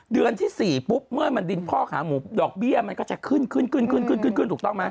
เดือนที่๔ปุ๊บเมื่อมันดินพอกหางหมู่ดอกเบี้ยมันก็จะขึ้นถูกต้องไหม